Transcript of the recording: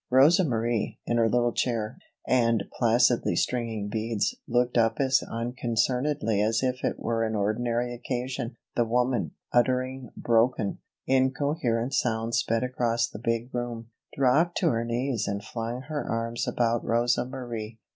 Rosa Marie, in her little chair and placidly stringing beads, looked up as unconcernedly as if it were an ordinary occasion. The woman, uttering broken, incoherent sounds sped across the big room, dropped to her knees and flung her arms about Rosa Marie.